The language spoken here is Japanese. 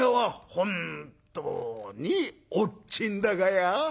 本当におっちんだがや？」。